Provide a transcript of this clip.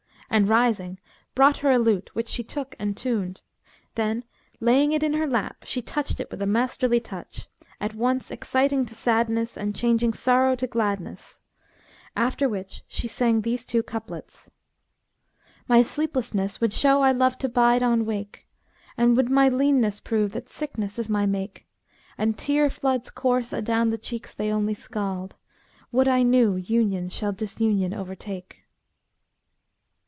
and rising brought her a lute, which she took and tuned; then laying it in her lap she touched it with a masterly touch, at once exciting to sadness and changing sorrow to gladness; after which she sang these two couplets, 'My sleeplessness would show I love to bide on wake; * And would my leanness prove that sickness is my make: And tear floods course adown the cheeks they only scald; * Would I knew union shall disunion overtake!'